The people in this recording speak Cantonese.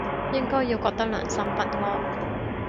應該要覺得良心不安